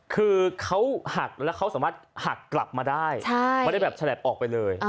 คือเขาหักแล้วเขาสามารถหักกลับมาได้ไม่ได้แบบฉลับออกไปเลย